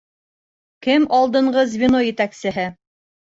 Кем алдынғы звено етәксеһе?